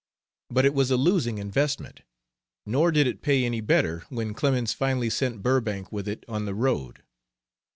But it was a losing investment, nor did it pay any better when Clemens finally sent Burbank with it on the road.